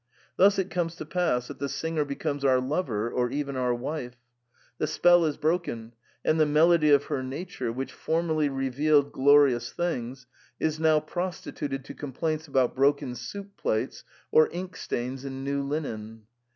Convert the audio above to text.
Thus it comes to pass that the singer becomes our lover — or even our wife. The spell is broken, and the melody of her nature, which formerly revealed glorious things, is now prostituted to complaints about broken soup plates or ink stains in new linen.